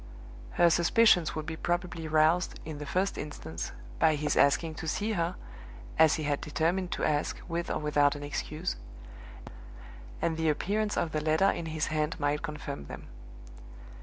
Her suspicions would be probably roused, in the first instance, by his asking to see her (as he had determined to ask, with or without an excuse), and the appearance of the letter in his hand might confirm them.